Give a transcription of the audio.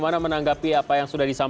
masiamokan selamat menuju ke mmalk